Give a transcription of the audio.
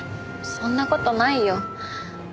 そんな事ないよ。